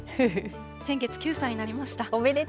先月９歳になりました。